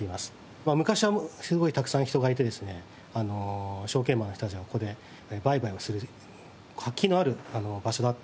まあ昔はすごいたくさん人がいてですね証券マンの人たちがここで売買をする活気のある場所だっていう。